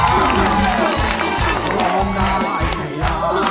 และสำหรับเพลงที่๑มูลค่า๑๐๐๐บาท